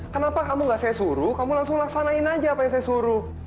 kenapa kamu gak saya suruh kamu langsung laksanain aja apa yang saya suruh